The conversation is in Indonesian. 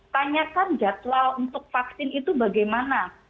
tanyakan jadwal untuk vaksin itu bagaimana